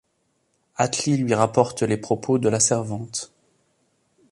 Atli lui rapporte les propos de la servante.